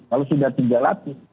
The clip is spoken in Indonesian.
kalau sudah tiga lapis